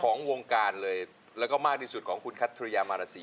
ของวงการเลยแล้วก็มากที่สุดของคุณคัทธริยามารสี